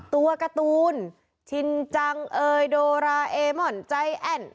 ตัวการ์ตูนชินจังเอยโดราเอมอนใจแอ้น